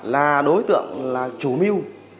là đối tượng là chủ mưu